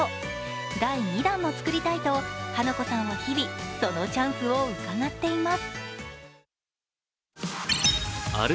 第２弾も作りたいと、はなこさんは日々、そのチャンスをうかがっています。